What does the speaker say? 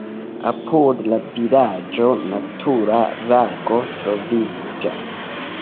Apud la vilaĝo natura lago troviĝas.